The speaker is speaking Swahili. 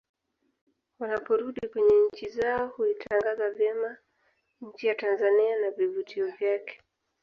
Wanaporudi kwenye nchi zao huitangaza vyema nchi ya Tanzania na vivutio vyake